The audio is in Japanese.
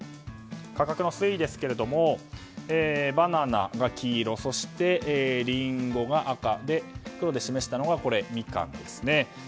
価格の推移ですけどもバナナが黄色そしてリンゴが赤で黒で示したのがミカンですね。